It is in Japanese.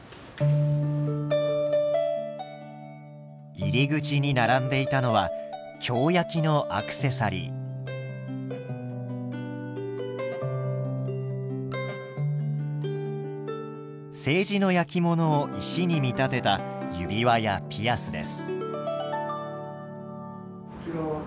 入り口に並んでいたのは青磁の焼き物を石に見立てた指輪やピアスです。